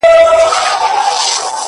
چي دي شراب، له خپل نعمته ناروا بلله،